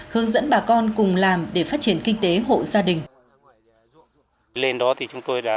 hướng dẫn bà con cùng làm để phát triển kinh tế hộ gia đình